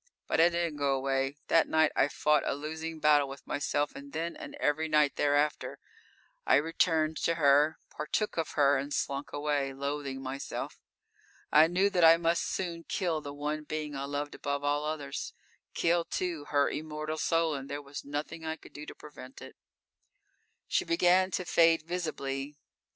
But I didn't go away. That night I fought a losing battle with myself, and then and every night thereafter, I returned to her, partook of her and slunk away, loathing myself. I knew that I must soon kill the one being I loved above all others, kill, too, her immortal soul, and there was nothing I could do to prevent it._ _She began to fade visibly.